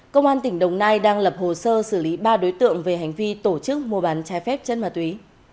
công an tỉnh đồng nai đang lập hồ sơ xử lý ba đối tượng về hành vi tổ chức mua bán trái phép chất ma túy